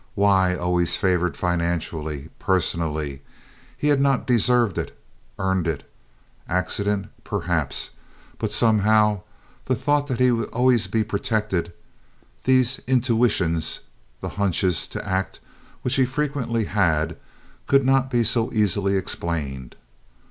Why always favored financially, personally? He had not deserved it—earned it. Accident, perhaps, but somehow the thought that he would always be protected—these intuitions, the "hunches" to act which he frequently had—could not be so easily explained.